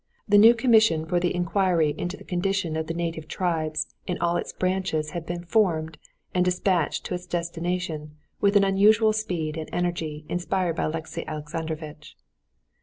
The new commission for the inquiry into the condition of the native tribes in all its branches had been formed and despatched to its destination with an unusual speed and energy inspired by Alexey Alexandrovitch.